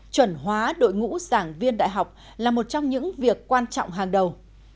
chuẩn hóa đội ngũ giảng viên đại học là một trong những việc quan trọng hàng đầu